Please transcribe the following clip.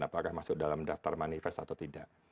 apakah masuk dalam daftar manifest atau tidak